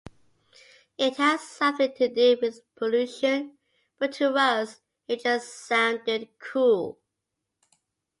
It has something to do with pollution, but to us it just sounded cool.